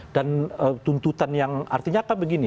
dan tuntutan yang artinya akan begini